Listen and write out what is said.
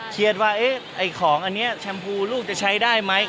ว่าไอ้ของอันนี้แชมพูลูกจะใช้ได้ไหม